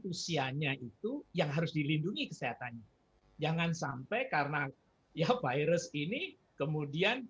usianya itu yang harus dilindungi kesehatannya jangan sampai karena ya virus ini kemudian